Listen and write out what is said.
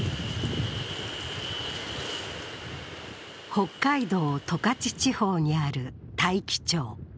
北海道十勝地方にある、大樹町。